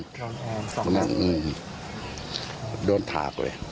โดนแอนสองคนโดนถากเลย